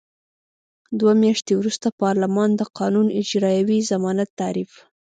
دوه میاشتې وروسته پارلمان د قانون اجرايوي ضمانت تعریف.